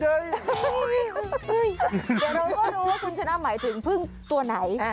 เดี๋ยวเราก็รู้ว่าคุณชนะหมายถึงพึ่งตัวไหน